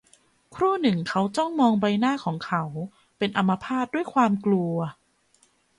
ครู่หนึ่งเขาจ้องมองใบหน้าของเขา - เป็นอัมพาตด้วยความกลัว